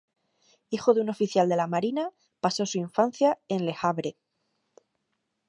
Hijo de un oficial de la marina, pasó su infancia en Le Havre.